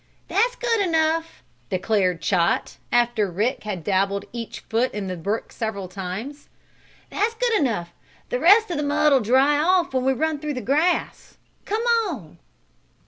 "That's good enough!" declared Chot, after Rick had dabbled each foot in the brook several times. "That's good enough. The rest of the mud'll dry off when we run through the grass. Come on!"